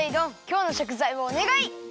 今日のしょくざいをおねがい！